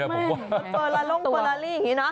ตัวละล่มตัวละลี่อย่างนี้นะ